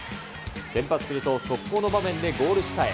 先発すると、速攻の場面でゴール下へ。